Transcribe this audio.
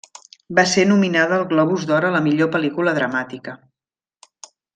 Va ser nominada al Globus d'Or a la millor pel·lícula dramàtica.